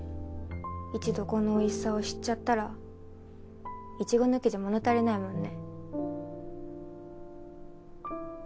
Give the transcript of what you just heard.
一度このおいしさを知っちゃったらイチゴ抜きじゃ物足りないもんね。